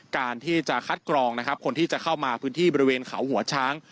การที่จะคัดกรองนะครับคนที่จะเข้ามาพื้นที่บริเวณเขาหัวช้าง